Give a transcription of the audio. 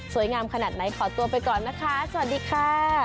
งามขนาดไหนขอตัวไปก่อนนะคะสวัสดีค่ะ